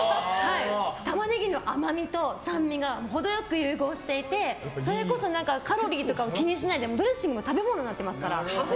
タマネギの甘みと酸味が程良く融合していてそれこそカロリーとかも気にしないでドレッシングは食べ物になってますから。